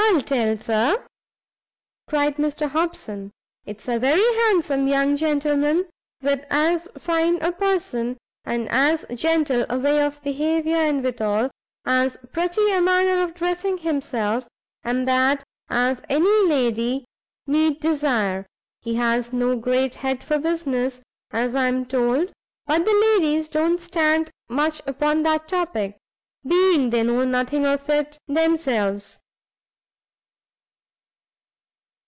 "I'll tell Sir," cried Mr Hobson; "it's a very handsome young gentleman, with as fine a person, and as genteel a way of behaviour, and withal, as pretty a manner of dressing himself, and that, as any lady need desire. He has no great head for business, as I am told, but the ladies don't stand much upon that topic, being they know nothing of it themselves."